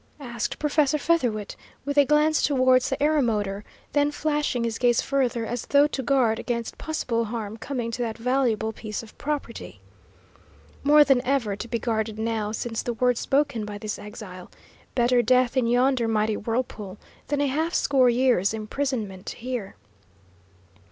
asked Professor Featherwit, with a glance towards the aeromotor, then flashing his gaze further, as though to guard against possible harm coming to that valuable piece of property. More than ever to be guarded now, since the words spoken by this exile. Better death in yonder mighty whirlpool than a half score years' imprisonment here!